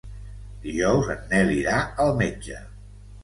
Dijous en Nel irà al metge.